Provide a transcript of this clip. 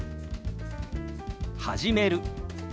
「始める」。